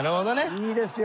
いいですよ